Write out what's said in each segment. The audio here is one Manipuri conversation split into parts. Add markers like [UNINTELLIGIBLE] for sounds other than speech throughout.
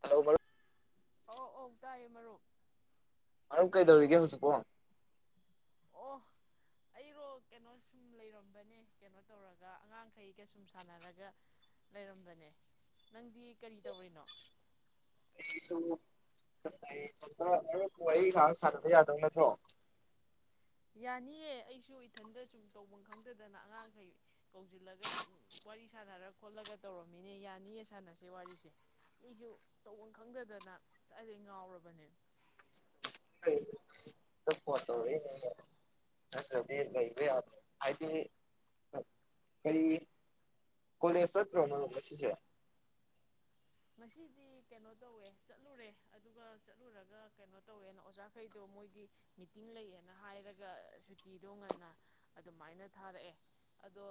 ꯍꯂꯣ ꯃꯔꯨꯞ ꯑ ꯑꯣꯧ ꯇꯥꯏꯌꯦ ꯃꯔꯨꯞ ꯃꯔꯝ ꯀꯩꯗꯧꯔꯤꯒꯦ ꯍꯧꯁꯨꯄꯣ ꯑꯣ ꯑꯩꯔꯣ ꯀꯩꯅꯣ ꯁꯨꯝ ꯂꯩꯔꯝꯕꯅꯦ ꯀꯩꯅꯣ ꯇꯧꯔꯒ ꯑꯉꯥꯡꯈꯩꯒ ꯁꯨꯝ ꯁꯥꯟꯅꯔꯒ ꯂꯩꯔꯝꯕꯅꯦ ꯅꯪꯗꯤ ꯀꯔꯤ ꯇꯧꯔꯤꯅꯣ ꯑꯩꯁꯨ ꯈꯔꯥ ꯈꯔꯥ ꯀꯣ ꯋꯥꯔꯤ ꯉꯍꯥꯛ ꯁꯥꯅꯕꯥ ꯌꯥꯗꯧ ꯅꯠꯇ꯭ꯔꯣ ꯌꯥꯅꯤꯌꯦ ꯑꯩꯁꯨ ꯏꯊꯟꯗ ꯁꯨꯝ ꯇꯧꯐꯝ ꯈꯪꯗꯗꯅ ꯑꯉꯥꯡꯈꯩ ꯀꯧꯁꯤꯜꯂꯒ ꯁꯨꯝ ꯋꯥꯔꯤ ꯁꯥꯟꯅꯔ ꯈꯣꯠꯂꯒ ꯇꯧꯔꯝꯃꯤꯅꯦ ꯌꯥꯅꯤꯌꯦ ꯁꯥꯟꯅꯁꯦ ꯋꯥꯔꯤꯁꯦ ꯑꯩꯁꯨ ꯇꯧꯐꯝ ꯈꯪꯗꯗꯅ ꯆꯠꯂꯦ ꯉꯥꯎꯔꯕꯅꯦ ꯂꯩ ꯍꯥꯏꯗꯤ ꯀꯔꯤ ꯀꯂꯖ ꯁꯠꯇ꯭ꯔ ꯃꯅ ꯄꯁ ꯉꯁꯤꯗꯤ ꯀꯩꯅꯣ ꯇꯧꯋꯦ ꯆꯠꯂꯨꯔꯦ ꯑꯗꯨꯒ ꯆꯠꯂꯨꯔꯒ ꯀꯩꯅꯣ ꯇꯧꯋꯦꯅ ꯑꯣꯖꯥꯈꯩꯗꯣ ꯃꯣꯏꯒꯤ ꯃꯤꯇꯤꯡ ꯂꯩꯌꯦꯅ ꯍꯥꯏꯔꯒ ꯁꯨꯇꯤꯗꯣ ꯉꯟꯅ ꯑꯗꯨꯃꯥꯏꯅ ꯊꯥꯔꯛꯑꯦ ꯑꯗꯣ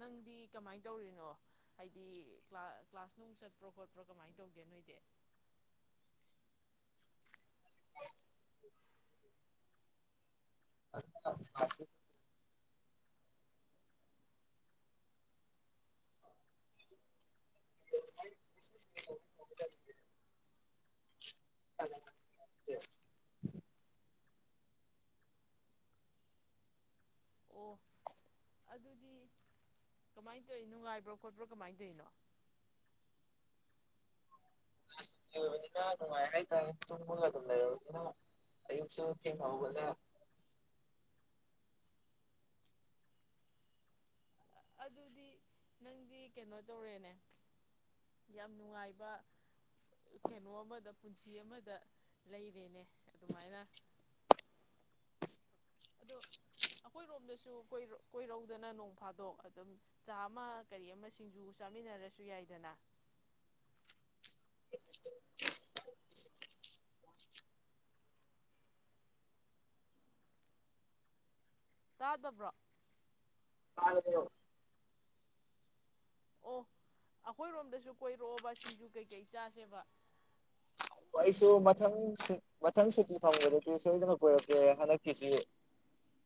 ꯅꯪꯗꯤ ꯀꯃꯥꯏꯅ ꯇꯧꯔꯤꯅꯣ ꯍꯥꯏꯗꯤ ꯀ꯭ꯂꯥꯁ ꯅꯨꯡ ꯠꯄ꯭ꯔꯣ ꯈꯣꯠꯄ꯭ꯔꯣ ꯀꯃꯥꯏꯅ ꯇꯧꯒꯦ ꯅꯣꯏꯗꯤ ꯑ ꯑꯣ ꯑꯗꯨꯗꯤ ꯀꯃꯥꯏꯅ ꯇꯧꯔꯤꯣ ꯅꯨꯡꯉꯥꯏꯕ꯭ꯔꯣ ꯈꯣꯠꯄ꯭ꯔꯣ ꯀꯃꯥꯏꯅ ꯇꯧꯔꯤꯅꯣ ꯅꯨꯡꯉ ꯍꯥꯏ ꯇ ꯃꯒ ꯂꯩ ꯑꯌꯨꯕꯁꯨ ꯊ ꯑꯗꯨꯗꯤ ꯅꯪꯗꯤ ꯀꯩꯅꯣ ꯇꯧꯔꯦꯅꯦ ꯌꯥꯝ ꯅꯨꯡꯉꯥꯏꯕ ꯀꯩꯅꯣ ꯑꯃꯗ ꯄꯨꯟꯁꯤ ꯑꯃꯗ ꯂꯩꯔꯦꯅꯦ ꯑꯗꯨꯃꯥꯏꯅ ꯑ ꯑꯗꯣ ꯑꯩꯈꯣꯏꯔꯣꯝꯗꯁꯨꯣꯏ ꯀꯣꯏꯔꯧꯗꯅ ꯅꯣꯡ ꯐꯥꯗꯣꯛ ꯑꯗꯨꯝ ꯆꯥ ꯑꯃ ꯀꯔꯤ ꯑꯃ ꯁꯤꯡꯖꯨ ꯆꯥꯃꯤꯟꯅꯔꯁꯨ ꯌꯥꯏꯗꯅ ꯇꯥꯗꯕ꯭ꯔꯣ ꯑ ꯑꯣ ꯑꯩꯈꯣꯏꯔꯣꯝꯗꯁꯨ ꯀꯣꯏꯔꯛꯑꯣꯕ ꯁꯤꯡꯖꯨ ꯀꯩꯀꯩ ꯆꯥꯁꯦꯕ ꯑꯣ ꯑꯩꯁꯨ ꯃꯊꯪ ꯃꯊꯪ ꯁꯨꯇꯤ ꯐꯪꯕꯗꯗꯤ ꯁꯣꯏꯗꯅ ꯀꯣꯏꯔꯛꯀꯦ ꯍꯟꯗꯛꯀꯤꯁꯤ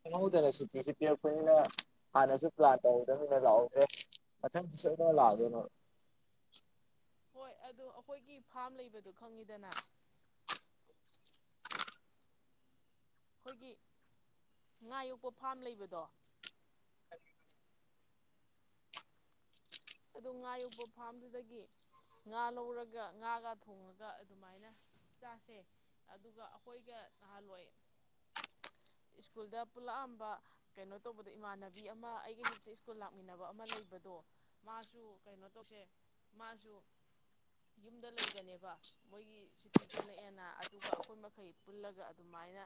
ꯈꯪꯍꯧꯗꯅ ꯁꯨꯇꯤꯁꯤ ꯄꯤꯔꯛꯄꯅꯤꯅ ꯍꯥꯟꯅꯁꯨ ꯄ꯭ꯂꯥꯟ ꯇꯧꯍꯧꯗꯕꯅꯤꯅ ꯂꯥꯛꯍꯧꯗ꯭ꯔꯦ ꯃꯊꯪꯁꯤ ꯁꯣꯏꯗꯅ ꯂꯥꯛꯑꯗꯣꯏꯅꯣ ꯍꯣꯏ ꯑꯗ ꯑꯩꯈꯣꯏꯒꯤ ꯐꯥꯝ ꯂꯩꯕꯗꯣ ꯈꯪꯉꯤꯗꯅ ꯑꯩꯈꯣꯏꯒꯤ ꯉꯥ ꯌꯣꯛꯄ ꯐꯥꯔꯝ ꯂꯩꯕꯗꯣ ꯑꯗꯣ ꯉꯥ ꯌꯣꯛꯄ ꯐꯥꯔꯝꯗꯨꯗꯒꯤ ꯉꯥ ꯂꯧꯔꯒ ꯉꯥꯒ ꯊꯣꯡꯉꯒ ꯑꯗꯨꯃꯥꯏꯅ ꯆꯥꯁꯦ ꯑꯗꯨꯒ ꯑꯩꯈꯣꯏꯒ ꯅꯍꯥꯟꯋꯥꯏ ꯁ꯭ꯀꯨꯜꯗ ꯄꯨꯜꯂꯛꯑꯝꯕ ꯀꯩꯅꯣ ꯇꯧꯕꯗ ꯏꯃꯥꯟꯅꯕꯤ ꯑꯃ ꯑꯩꯒ ꯍꯦꯛꯇ ꯁ꯭ꯀꯨꯜ ꯂꯥꯛꯃꯤꯟꯅꯕ ꯑꯃ ꯂꯩꯕꯗꯣ ꯃꯥꯁꯨ ꯀꯩꯅꯣ ꯇꯧꯁꯦ ꯃꯥꯁꯨ ꯌꯨꯝꯗ ꯂꯩꯕꯅꯦꯕ ꯃꯣꯏꯒꯤ ꯁꯨꯇꯤ ꯊꯣꯛꯂꯛꯑꯦꯅ ꯑꯗꯨꯒ ꯑꯩꯈꯣꯏ ꯃꯈꯩ ꯄꯨꯜꯂꯒ ꯑꯗꯨꯃꯥꯏꯅ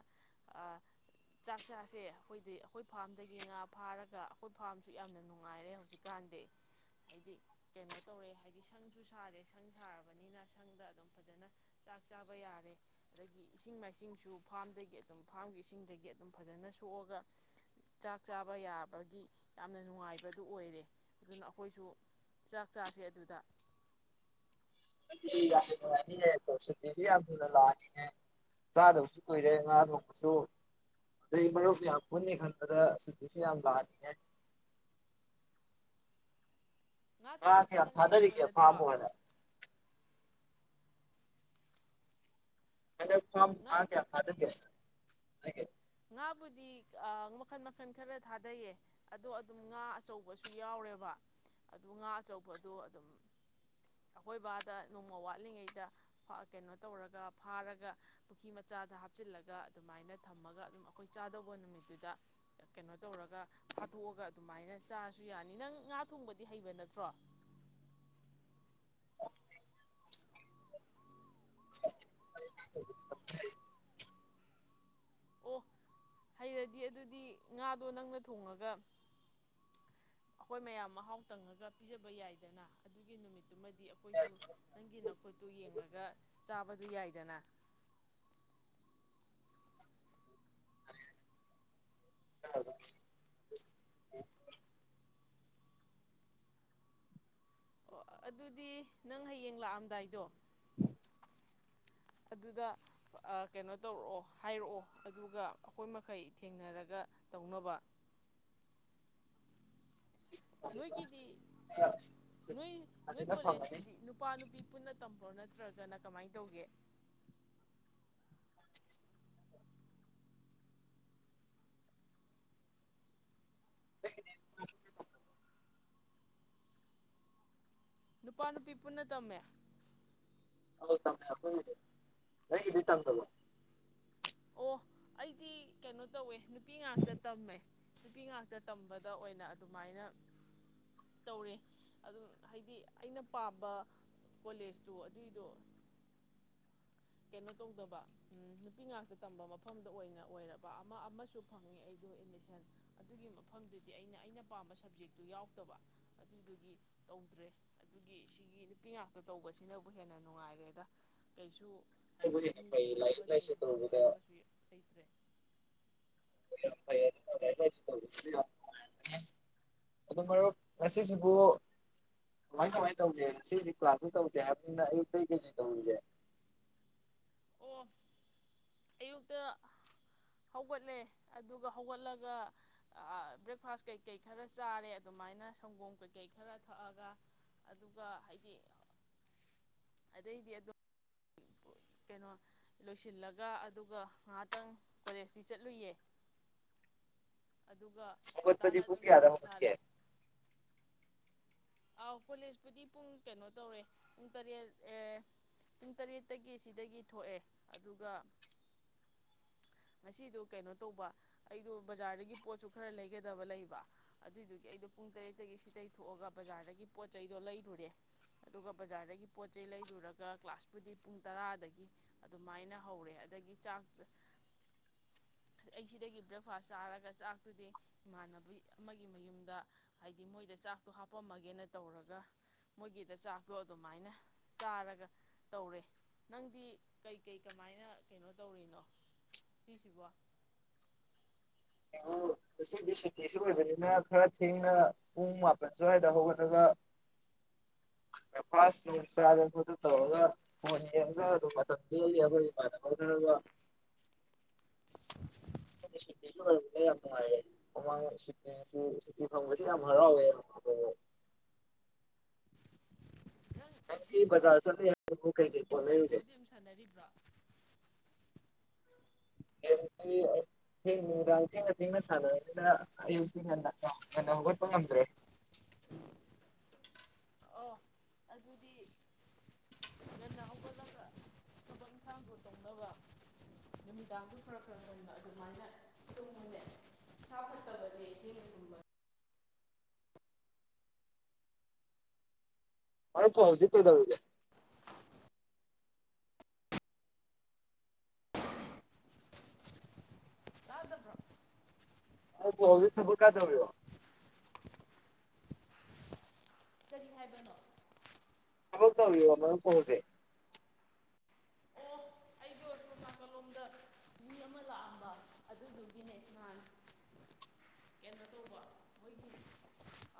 ꯆꯥꯛ ꯆꯥꯁꯦ ꯑꯩꯈꯣꯏꯗꯤ ꯑꯩꯈꯣꯏ ꯐꯥꯔꯝꯗꯒꯤ ꯉꯥ ꯐꯥꯔꯒ ꯑꯩꯈꯣꯏ ꯐꯥꯔꯝꯁꯨ ꯌꯥꯝꯅ ꯅꯨꯡꯉꯥꯏꯔꯦ ꯍꯧꯖꯤꯛꯀꯥꯟꯗꯤ ꯍꯥꯏꯗꯤ ꯀꯩꯅꯣ ꯇꯧꯔꯦ ꯍꯥꯏꯗꯤ ꯁꯪꯁꯨ ꯁꯥꯔꯦ ꯁꯪ ꯁꯥꯔꯕꯅꯤꯅ ꯁꯪꯗ ꯑꯗꯨꯝ ꯐꯖꯅ ꯆꯥꯛ ꯆꯥꯕ ꯌꯥꯔꯦ ꯑꯗꯒꯤ ꯏꯁꯤꯡ ꯃꯥꯏꯁꯤꯡꯁꯨ ꯐꯥꯝꯗꯒꯤ ꯑꯗꯨꯝ ꯐꯥꯝꯒꯤ ꯏꯁꯤꯡꯗꯒꯤ ꯑꯗꯨꯝ ꯐꯖꯅ ꯁꯣꯛꯑꯒ ꯆꯥꯛ ꯆꯥꯕ ꯌꯥꯕꯒꯤ ꯌꯥꯝꯅ ꯅꯨꯡꯉꯥꯏꯕꯗꯨ ꯑꯣꯏꯔꯦ ꯑꯗꯨꯅ ꯑꯩꯈꯣꯏꯁꯨ ꯆꯥꯛ ꯆꯥꯁꯦ ꯑꯗꯨꯗ ꯌꯥꯝ ꯅꯨꯡꯉꯥꯏꯅꯤꯌꯦ ꯑꯗꯣ ꯁꯨꯇꯤꯁꯨ ꯌꯥꯝ ꯊꯨꯅ ꯂꯥꯛꯑꯅꯤꯉ ꯆꯥꯗꯕꯁꯨ ꯀꯨꯏꯔꯦ ꯉꯥ ꯐꯣꯡꯕꯁꯨ ꯑꯗꯨꯗꯩ ꯃꯔꯨꯞꯁꯨ ꯌꯥꯝ ꯄꯨꯅꯤ ꯈꯟꯕꯗ ꯁꯨꯇꯤꯁꯨ ꯌꯥꯝ ꯂꯥꯛꯅꯤꯉ ꯉꯥ ꯍꯥ ꯊꯣꯡꯕꯗꯤ ꯊ ꯅꯪꯗꯤ ꯊꯥꯗꯔꯤ ꯍꯩꯕ ꯀꯦ ꯅꯠꯇ꯭ꯔꯣ ꯐꯥꯃ ꯍꯥꯏꯗ ꯑ ꯈ ꯀ ꯉꯥꯕꯨ ꯀꯌꯥ ꯈꯗꯒꯦ ꯑꯩꯦ ꯉꯥꯕꯨꯗꯤ ꯃꯈꯜ ꯃꯈꯜ ꯈꯔ ꯊꯥꯗꯩꯌꯦ ꯑꯗꯣ ꯑꯗꯨꯝ ꯉꯥ ꯑꯆꯧꯕꯁꯨ ꯌꯥꯎꯔꯦꯕ ꯑꯗꯨ ꯉꯥ ꯑꯆꯧꯕꯗꯣ ꯑꯗꯨꯝ ꯑꯩꯀꯣꯏꯕꯗ ꯅꯣꯡꯃ ꯋꯥꯠꯂꯤꯉꯩꯗ ꯀꯩꯅꯣ ꯇꯧꯔꯒ ꯐꯥꯔꯒ ꯄꯨꯈ꯭ꯔꯤ ꯃꯆꯥꯗ ꯍꯥꯞꯆꯤꯜꯂꯒ ꯑꯗꯨꯃꯥꯏꯅ ꯊꯝꯃꯒ ꯑꯗꯨꯝ ꯑꯩꯈꯣꯏ ꯆꯥꯗꯧꯕ ꯅꯨꯃꯤꯠꯇꯨꯗ ꯀꯩꯅꯣ ꯇꯧꯔꯒ ꯐꯥꯗꯣꯛꯑꯒ ꯑꯗꯨꯃꯥꯏꯅ ꯆꯥꯔꯁꯨ ꯌꯥꯅꯤ ꯅꯪ ꯉꯥ ꯊꯣꯡꯕꯗꯤ ꯍꯩꯕ ꯅꯠꯇ꯭ꯔꯣ ꯑꯣ ꯍꯩꯔꯗꯤ ꯑꯗꯨꯗꯤ ꯉꯥꯗꯣ ꯅꯪꯅ ꯊꯣꯡꯉꯒ ꯑꯩꯈꯣꯏ ꯃꯌꯥꯝ ꯃꯍꯥꯎ ꯇꯪꯉꯒ ꯄꯤꯖꯕ ꯌꯥꯏꯗꯅ ꯑꯗꯨꯒꯤ ꯅꯨꯃꯤꯠꯇꯨꯃꯗꯤ ꯑꯩꯈꯣꯏꯁꯨ ꯅꯪꯒꯤ ꯅꯥꯀꯣꯠꯇꯨ ꯌꯦꯡꯉꯒ ꯆꯥꯕꯗꯨ ꯌꯥꯏꯗꯅ ꯍ ꯑꯣ ꯑꯗꯨꯗꯤ ꯅꯪ ꯍꯌꯦꯡ ꯂꯥꯛꯑꯝꯗꯥꯏꯗꯣ ꯑꯗꯨꯗ ꯀꯩꯅꯣ ꯇꯧꯔꯛꯑꯣ ꯍꯥꯏꯔꯛꯑꯣ ꯑꯗꯨꯒ ꯑꯩꯈꯣꯏ ꯃꯈꯩ ꯊꯦꯡꯅꯔꯒ ꯇꯧꯅꯕ ꯅꯣꯏꯒꯤꯗꯤ ꯅꯣꯏ ꯅꯣꯏ ꯐꯖꯅ ꯐꯪꯉꯅꯤ ꯀꯣꯂꯦꯖꯇꯨꯗꯤ ꯅꯨꯄꯥ ꯅꯨꯄꯤ ꯄꯨꯟꯅ ꯇꯐꯧ ꯅꯠꯇꯦ ꯅꯠꯇ꯭ꯔꯒꯅ ꯀꯃꯥꯏꯅ ꯇꯧꯒꯦ [UNINTELLIGIBLE] ꯃꯥ ꯅꯨꯄꯥ ꯅꯨꯄꯤ ꯄꯨꯟꯅ ꯇꯝꯃꯦ ꯍ ꯆꯄꯦ ꯍꯒꯗꯤ ꯇꯝ ꯇꯕ ꯑꯣ ꯑꯩꯗꯤ ꯀꯩꯅꯣ ꯇꯧꯋꯦ ꯅꯨ ꯅꯨꯄꯤ ꯉꯥꯛꯇ ꯇꯝꯃꯦ ꯅꯨꯄꯤ ꯉꯥꯛꯇ ꯇꯝꯕꯗ ꯑꯣꯏꯅ ꯑꯗꯨꯃꯥꯏꯅ ꯇꯧꯔꯦ ꯑꯗꯨꯝ ꯍꯥꯏꯗꯤ ꯑꯩꯅ ꯄꯥꯝꯕ ꯀꯣꯂꯦꯖꯇꯨ ꯑꯗꯨꯏꯗꯣ ꯀꯩꯅꯣ ꯇꯧꯗꯕ ꯅꯨꯄꯤ ꯉꯥꯛꯇ ꯇꯝꯕ ꯃꯐꯝꯗ ꯑꯣꯏꯅ ꯑꯣꯏꯔꯕ ꯑꯃ ꯑꯃꯁꯨ ꯐꯪꯉꯤ ꯑꯩꯗꯣ ꯑꯦꯠꯃꯤꯁꯟ ꯑꯗꯨꯒꯤ ꯃꯐꯝꯗꯨꯗꯤ ꯑꯩꯅ ꯑꯩꯅ ꯄꯥꯝꯕ ꯁꯕꯖꯦꯛꯇꯨ ꯌꯥꯎꯗꯕ ꯑꯗꯨꯗꯨꯒꯤ ꯇꯧꯗ꯭ꯔꯦ ꯑꯗꯨꯒꯤ ꯁꯤꯒꯤ ꯅꯨꯄꯤ ꯉꯥꯛꯇ ꯇꯧꯕꯁꯤꯅꯕꯨ ꯍꯦꯟꯅ ꯅꯨꯡꯉꯥꯏꯔꯦꯗ ꯀꯩꯁꯨ ꯍꯥꯏꯗꯤ ꯅꯣꯏꯕꯨꯗꯤ ꯍꯦꯟꯅ ꯃꯤ ꯐꯩ ꯈꯠꯅꯕ ꯂꯥꯏꯔꯤꯛ ꯂꯥꯏꯁꯨ ꯆꯩꯅꯕ ꯇꯧꯕꯗ ꯈꯣꯠꯅꯕꯁꯨ ꯂꯩꯇ꯭ꯔꯦ [INAUDIBLE] ꯑꯗꯨ ꯃꯔꯨꯞ ꯉꯁꯤꯁꯤꯕꯨ ꯀꯃꯥꯏ ꯀꯃꯥꯏꯅ ꯇꯧꯒꯦ ꯉꯁꯤꯁꯤ ꯀ꯭ꯂꯥꯁꯁꯨ ꯇꯧꯗꯦ ꯍꯥꯏꯕꯅꯤꯅ ꯑꯌꯨꯛꯇꯩ ꯀꯩꯀꯩ ꯇꯧꯔꯤꯒꯦ ꯑꯣ ꯑꯌꯨꯛꯇ ꯍꯧꯒꯠꯂꯦ ꯑꯗꯨꯒ ꯍꯧꯒꯠꯂꯒ ꯕ꯭ꯔꯦꯛꯐꯥꯁ ꯀꯩꯀꯩ ꯈꯔ ꯆꯥꯔꯦ ꯑꯗꯨꯃꯥꯏꯅ ꯁꯪꯒꯣꯝ ꯀꯩꯀꯩ ꯈꯔ ꯊꯛꯑꯒ ꯑꯗꯨꯒ ꯍꯥꯏꯗꯤ ꯑꯗꯩꯗꯤ ꯑꯗꯨ ꯀꯩꯅꯣ ꯂꯣꯏꯁꯤꯜꯂꯒ ꯑꯗꯨꯒ ꯉꯥꯏꯍꯥꯛꯇꯪ ꯀꯣꯂꯦꯖꯇꯤ ꯆꯠꯂꯨꯏꯌꯦ ꯑꯗꯨꯒ ꯉꯟꯇꯥꯅ ꯍꯧꯒꯠꯄꯗꯤ ꯄꯨꯡ ꯑꯗꯨꯝ ꯀꯌꯥꯗ ꯁꯨꯇꯤ ꯍꯧꯒꯠꯀꯦ ꯊꯥꯔꯛꯑꯦ ꯑꯥꯎ ꯀꯣꯂꯦꯖꯄꯨꯗꯤ ꯄꯨꯡ ꯀꯩꯅꯣ ꯇꯧꯔꯦ ꯄꯨꯡ ꯇꯔꯦꯠ ꯑꯦ ꯄꯨꯡ ꯇꯔꯦꯠꯇꯒꯤ ꯁꯤꯗꯒꯤ ꯊꯣꯛꯑꯦ ꯑꯗꯨꯒ ꯉꯁꯤꯗꯣ ꯀꯩꯅꯣ ꯇꯧꯕ ꯑꯩꯗꯣ ꯕꯖꯥꯔꯗꯒꯤ ꯄꯣꯠꯁꯨ ꯈꯔ ꯂꯩꯒꯗꯕ ꯂꯩꯕ ꯑꯗꯨꯏꯗꯨꯒꯤ ꯑꯩꯗꯣ ꯄꯨꯡ ꯇꯔꯦꯠꯇꯒꯤ ꯁꯤꯗꯒꯤ ꯊꯣꯛꯑꯒ ꯕꯖꯥꯔꯗꯒꯤ ꯄꯣꯠ ꯆꯩꯗꯣ ꯂꯩꯔꯨꯔꯦ ꯑꯗꯨꯒ ꯕꯖꯥꯔꯗꯒꯤ ꯄꯣꯠ ꯆꯩꯩ ꯂꯩꯔꯨꯔꯒ ꯀ꯭ꯂꯥꯁꯄꯨꯗꯤ ꯄꯨꯡ ꯇꯔꯥꯗꯒꯤ ꯑꯗꯨꯃꯥꯏꯅ ꯍꯧꯔꯦ ꯑꯗꯒꯤ ꯆꯥꯛꯇ ꯑꯩ ꯁꯤꯗꯒꯤ ꯕ꯭ꯔꯦꯛꯐꯥꯁ ꯆꯥꯔꯒ ꯆꯥꯛꯇꯨꯗꯤ ꯏꯃꯥꯟꯅꯕꯤ ꯑꯃꯒꯤ ꯃꯌꯨꯝꯗ ꯍꯥꯏꯗꯤ ꯃꯣꯏꯗ ꯆꯥꯛꯇꯣ ꯍꯥꯞ ꯄꯝꯃꯒꯦꯅ ꯇꯧꯔꯒ ꯃꯣꯏꯒꯤꯗ ꯆꯥꯛꯇꯣ ꯑꯗꯨꯃꯥꯏꯅ ꯆꯥꯔꯒ ꯇꯧꯔꯦ ꯅꯪꯗꯤ ꯀꯩꯀꯩ ꯀꯃꯥꯏꯅ ꯀꯩꯅꯣ ꯇꯧꯔꯤꯅꯣ ꯁꯤꯁꯤꯕ‌ꯣ ꯑꯗꯨ ꯉꯁꯤꯗꯤ ꯁꯨꯇꯤꯁꯨ ꯑꯣꯏꯕꯅꯤꯅ ꯈꯔ ꯊꯦꯡꯅ ꯄꯨꯡ ꯃꯥꯄꯜ ꯁ꯭ꯋꯥꯏꯗ ꯍꯧꯒꯠꯂꯒ ꯕ꯭ꯔꯦꯛꯐꯥꯁ ꯅꯨꯡ ꯆꯥꯗꯅ ꯈꯣꯠꯇꯅ ꯇꯧꯔꯒ ꯐꯣꯟ ꯌꯦꯡꯉꯒ ꯑꯗꯨꯝ ꯃꯇꯝ ꯂ‌ꯦꯜꯂꯤ ꯑꯩꯈꯣꯏ ꯏꯃꯥꯟꯅꯕ ꯈꯔꯒ ꯁꯨꯇꯤꯁꯨ ꯑꯣꯏꯔꯕꯅꯤꯅ ꯌꯥꯝ ꯅꯨꯡꯉꯥꯏꯔꯦ ꯃꯃꯥꯡ ꯁꯨꯇꯤꯁꯨ ꯁꯨꯇꯤ ꯐꯪꯕꯁꯨ ꯌꯥꯝ ꯍꯔꯥꯎꯋꯦ ꯅꯪꯗꯤ ꯕꯖꯥꯔ ꯆꯠꯂꯨꯏ ꯒ‌ꯦꯝ ꯌꯥꯝ ꯁꯥꯟꯅꯕꯗꯤ ꯗꯨꯝ ꯁꯥꯟꯅꯔꯤꯕ꯭ꯔ‌ꯣ [INAUDIBLE] ꯅꯨꯃꯤꯗꯥꯡ ꯊ‌ꯦꯡꯅ‌ ꯊ‌ꯦꯡꯅ ꯁꯥꯟꯔꯕꯅꯤꯅ ꯑꯌꯨꯛꯇꯤ ꯉꯟꯅ ꯍꯧꯒꯠꯄ ꯉꯝꯗ꯭ꯔꯦ ꯑꯣ ꯑꯗꯨꯗꯤ ꯉꯟꯅ ꯍꯧꯒꯠꯂꯒ ꯊꯕꯛ ꯏꯟꯈꯥꯡꯗꯣ ꯇꯧꯅꯕ ꯅꯨꯃꯤꯗꯥꯡꯗ‌ꯣ ꯈꯔ ꯈꯔ ꯉꯟꯅ ꯑꯗꯨꯃꯥꯏꯅ ꯇꯨꯝꯃꯨꯅ‌ꯦ ꯏꯁꯥ ꯐꯠꯇꯕꯅꯤ ꯊꯦꯟꯅ ꯇꯨꯝꯕ ꯃꯥꯏ ꯀ‌ꯣꯜꯖꯤ ꯀꯩꯗꯧꯔꯤꯒ‌ꯦ ꯇꯥꯗꯕ꯭ꯔꯣ ꯑꯩꯕꯨ ꯍꯧꯖꯤꯛ ꯊꯕꯛ ꯀꯥꯏꯇꯧꯔꯤꯔ‌ꯣ [UNINTELLIGIBLE] ꯀꯔꯤ ꯍꯥꯏꯕꯅꯣ ꯊꯕꯛ ꯇꯧꯔꯤꯔ‌ꯣ ꯅꯪ ꯐ‌ꯣꯟꯁꯦ ꯑꯣ ꯑꯩꯗꯣ ꯁꯣꯝ ꯅꯥꯀꯜꯂꯣꯝꯗ ꯃꯤ ꯑꯃ ꯂꯥꯛꯑꯝꯕ ꯑꯗꯨꯗꯨꯒꯤꯅꯦ ꯅꯥꯍꯅ ꯀꯩꯅꯣ ꯇꯧꯕ ꯃꯣꯏꯒꯤ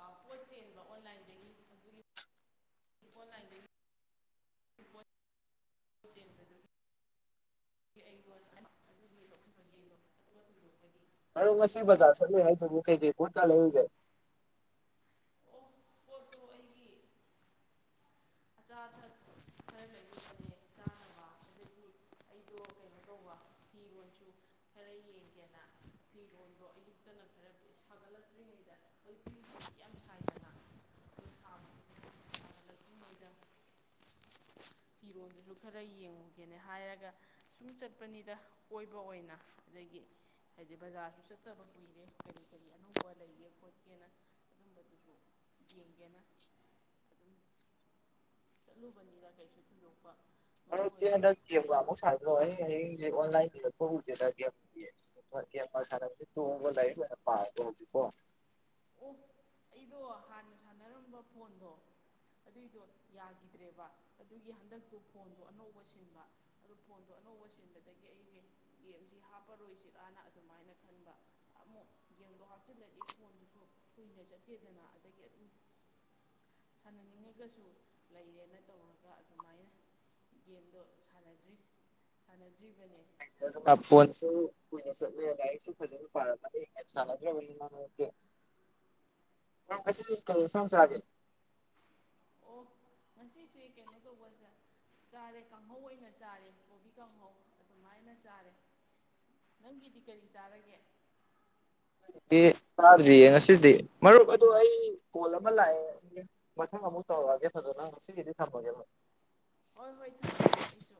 ꯑ ꯄꯣꯠ ꯆꯦꯟꯕ ꯑꯣꯟꯂꯥꯏꯟꯗꯒꯤ ꯑꯗꯨꯒꯤ ꯑꯣꯟꯂꯥꯏꯟꯗꯒꯤ ꯄꯣꯠ ꯆꯦꯟꯕꯗꯨ ꯑꯩꯉꯣꯟ ꯑꯗꯨꯒꯤ ꯂꯧꯈꯤꯕꯒꯤ ꯄꯣꯠ ꯍꯨꯟꯗꯣꯛꯄꯒꯤ ꯑꯗ‌ꯣ ꯀꯩꯁꯨ ꯉꯁꯤ ꯕꯖꯥꯔ ꯇꯧꯗꯦꯗ ꯆꯠꯂꯨꯏ ꯍꯥꯏꯗꯨꯕꯨ ꯀꯩꯀꯩ ꯄ‌ꯣꯠ ꯀ ꯂꯩꯔꯨꯒ‌ꯦ ꯑꯣ ꯄꯣꯠꯇꯣ ꯑꯩꯒꯤ ꯑꯆꯥ ꯑꯊꯛ ꯈꯔ ꯂꯩꯔꯨꯕꯅꯦ ꯆꯥꯅꯕ ꯑꯗꯒꯤ ꯑꯩꯗꯣ ꯀꯩꯅꯣ ꯇꯧꯕ ꯐꯤꯔꯣꯟꯁꯨ ꯈꯔ ꯌꯦꯡꯒꯦꯅ ꯐꯤꯔꯣꯟꯗꯣ ꯑꯌꯨꯛꯇꯅ ꯈꯔ ꯁꯥꯒꯠꯂꯛꯇ꯭ꯔꯤꯉꯩꯗ ꯑꯩꯈꯣꯏ ꯐꯤꯁꯤ ꯌꯥꯝ ꯁꯥꯏꯗꯅ ꯑꯩꯈꯣꯏ ꯁꯥꯕ ꯁꯥꯒꯠꯂꯛꯇ꯭ꯔꯤꯉꯩꯗ ꯐꯤꯔꯣꯜꯗꯨꯁꯨ ꯈꯔ ꯌꯦꯡꯉꯨꯒꯦꯅ ꯍꯥꯏꯔꯒ ꯁꯨꯝ ꯆꯠꯄꯅꯤꯗ ꯀꯣꯏꯕ ꯑꯣꯏꯅ ꯑꯗꯒꯤ ꯍꯥꯏꯗꯤ ꯕꯖꯥꯔꯁꯨ ꯆꯠꯇꯕ ꯀꯨꯏꯔꯦ ꯀꯔꯤ ꯀꯔꯤ ꯑꯅꯧꯕ ꯂꯩꯒꯦ ꯈꯣꯠꯀꯦꯅ ꯑꯗꯨꯝꯕꯗꯨꯁꯨ ꯌꯦꯡꯒꯦꯅ ꯑꯗꯨꯝ ꯆꯠꯂꯨꯕꯅꯤꯗ ꯀꯩꯁꯨ ꯊ‌ꯣꯏꯗ‌ꯣ ꯃꯔꯨꯞꯇꯤ ꯍꯟꯗꯛ ꯒꯦꯝꯒ ꯑꯃꯨꯛ ꯁꯥꯟꯅꯗ꯭ꯔꯣ ꯑꯩ [UNINTELLIGIBLE] ꯑꯗꯣ ꯍꯥꯟꯅ ꯁꯥꯟꯅꯔꯝꯕ ꯐꯣꯟꯗꯣ ꯑꯗꯨꯏꯗꯣ ꯌꯥꯈꯤꯗ꯭ꯔꯦꯕ ꯑꯗꯨꯒꯤ ꯍꯟꯗꯛꯇꯨ ꯐꯣꯟꯗꯣ ꯑꯅꯧꯕ ꯁꯤꯟꯕ ꯑꯗꯨ ꯐꯣꯟꯗꯣ ꯑꯅꯧꯕ ꯁꯤꯟꯕꯗꯒꯤ ꯑꯩꯁꯤ ꯒꯦꯝꯁꯤ ꯍꯥꯞꯄꯔꯣꯏꯁꯤꯔꯅ ꯑꯗꯨꯃꯥꯏꯅ ꯈꯟꯕ ꯑꯃꯨꯛ ꯒꯦꯝꯗꯣ ꯍꯥꯞꯆꯤꯜꯂꯗꯤ ꯐꯣꯟꯗꯨꯁꯨ ꯀꯨꯏꯅ ꯆꯠꯇꯦꯗꯅ ꯑꯗꯒꯤ ꯑꯗꯨꯝ ꯁꯥꯟꯅꯅꯤꯡꯉꯒꯁꯨ ꯂꯩꯔꯦꯅ ꯇꯧꯔꯒ ꯑꯗꯨꯃꯥꯏꯅ ꯒꯦꯝꯗꯣ ꯁꯥꯟꯅꯗ꯭ꯔꯤ ꯁꯥꯟꯅꯗ꯭ꯔꯤꯕꯅꯦ [INAUDIBLE] ꯑꯥꯏꯐ‌ꯣꯟꯁꯨ ꯀꯨꯏꯅ ꯂꯥꯏꯔꯤꯛꯁꯨ ꯐꯖꯅ ꯄꯥꯔꯝꯃꯅꯤ ꯒ‌ꯦꯝꯁꯥꯟꯅꯗ꯭ꯔꯕꯅꯤ ꯅ‌ꯣꯏꯗꯤ ꯑꯣ ꯉꯁꯤꯁꯦ ꯀꯩꯅꯣ ꯇꯧꯕꯁꯦ ꯆꯥꯔꯦ ꯀꯥꯡꯍꯧ ꯑꯣꯏꯅ ꯆꯥꯔꯦ ꯀꯣꯕꯤ ꯀꯥꯡꯍꯧ ꯑꯗꯨꯃꯥꯏꯅ ꯆꯥꯔꯦ ꯅꯪꯒꯤꯗꯤ ꯀꯔꯤ ꯆꯥꯔꯒꯦ ꯑꯩꯒꯤꯗꯤ ꯆꯥꯗ꯭ꯔꯤꯌꯦ ꯉꯁꯤꯗꯤ ꯃꯔꯨꯞ ꯑꯗꯣ ꯑꯩ ꯀꯣꯜ ꯑꯃ ꯂꯥꯛꯑꯦ ꯑꯩ ꯃꯊꯪ ꯑꯃꯨꯛ ꯇꯧꯔꯛꯑꯒꯦ ꯐꯖꯅ ꯉꯁꯤꯒꯤꯗꯤ ꯊꯝꯃꯒꯦ ꯍꯣꯏ ꯍꯣꯏ ꯊꯝꯃꯒꯦ ꯑꯩꯁꯨ